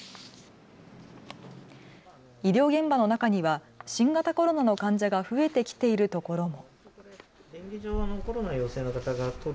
医療現場の中には新型コロナの患者が増えてきているところも。